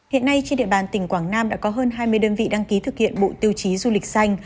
hiện nay trên địa bàn tỉnh quảng nam đã có hơn hai mươi đơn vị đăng ký thực hiện bộ tiêu chí du lịch xanh